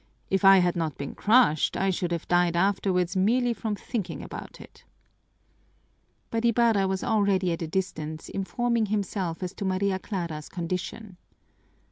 If I had not been crushed, I should have died afterwards merely from thinking about it." But Ibarra was already at a distance informing himself as to Maria Clara's condition.